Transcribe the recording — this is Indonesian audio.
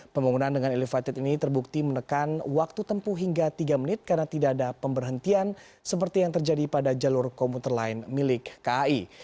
pembangunan dengan elevated ini terbukti menekan waktu tempuh hingga tiga menit karena tidak ada pemberhentian seperti yang terjadi pada jalur komuter lain milik kai